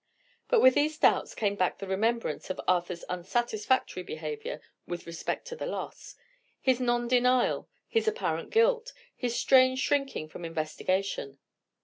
But with these doubts came back the remembrance of Arthur's unsatisfactory behaviour with respect to the loss; his non denial; his apparent guilt; his strange shrinking from investigation.